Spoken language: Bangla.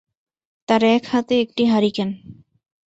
তার এক হাতে একটি হারিকেন।